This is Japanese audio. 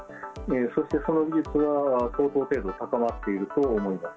そしてその技術は、相当程度、高まっていると思います。